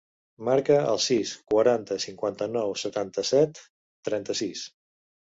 Marca el sis, quaranta, cinquanta-nou, setanta-set, trenta-sis.